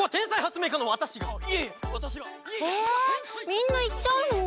みんないっちゃうの？